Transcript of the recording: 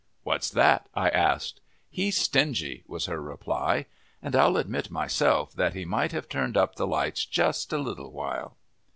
"What's that?" I asked. "He's stingy," was her reply; and I'll admit, myself, that he might have turned up the lights just a little while.